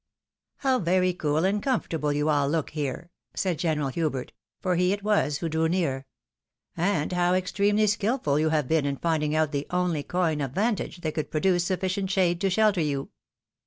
Plow very cool and comfortable you all look here I " said General Hubert — for he it was who drew near; "and how extremely skilful you have been in finding out the only ' coigne of vantage ' that could produce sufficient shade to shelter you!"